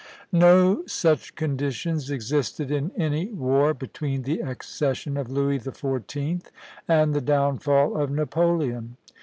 No such conditions existed in any war between the accession of Louis XIV. and the downfall of Napoleon.